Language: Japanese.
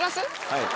はい。